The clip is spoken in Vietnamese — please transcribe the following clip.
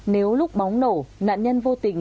nếu lúc bóng nổ nạn nhân vô tình